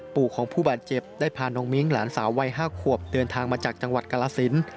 ปู่ของผู้บาดเจ็บได้พาน้องมิ้งหลานสาววัย๕ขวบเดินทางมาจากจังหวัดกรสิน